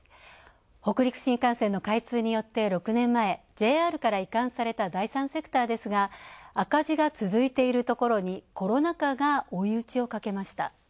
北陸新幹線の開通によって６年前、ＪＲから移管された第３セクターですが赤字が続いているところにコロナ禍が追い討ちをかけました。